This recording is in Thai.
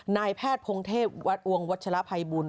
นายแพทย์พงเทพวัดอวงวัชลภัยบุญ